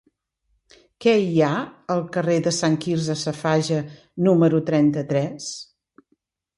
Què hi ha al carrer de Sant Quirze Safaja número trenta-tres?